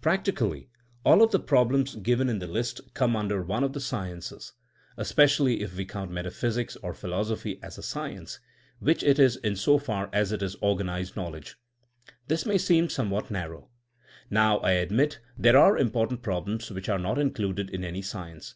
Practically all of the problems given in the list come under one of the sciences, especially if we count metaphysics or philosophy as a science, which it is in so far as it is organized knowl edge. This may seem somewhat narrow. Now I admit there are important problems which are not included in any science.